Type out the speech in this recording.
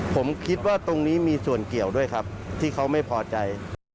ผมคิดว่าตรงนี้มีส่วนเกี่ยวด้วยครับที่เขาไม่พอใจ